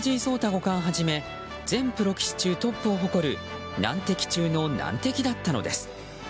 五冠はじめ全プロ棋士中トップを誇る難敵中の難敵だったのです。